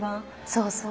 そうそう。